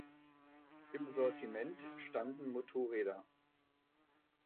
Im Sortiment standen Motorräder.